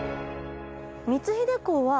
光秀公は。